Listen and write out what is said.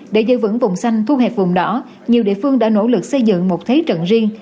để giữ vững vùng xanh thu hẹp vùng đỏ nhiều địa phương đã nỗ lực xây dựng một thế trận riêng